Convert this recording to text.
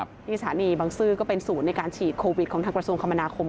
ที่สถานีบังซื้อก็เป็นศูนย์ในการฉีดโควิดของทางกระทรวงคมนาคม